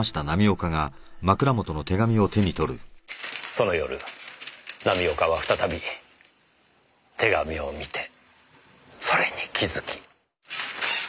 その夜浪岡は再び手紙を見てそれに気づき。